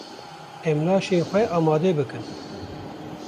Em laşên xwe amade bikin.